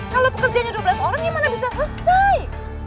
kalau pekerjanya dua belas orang gimana bisa selesai